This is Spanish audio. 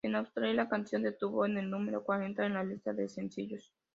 En Australia, la canción debutó en el número cuarenta en la lista de sencillos.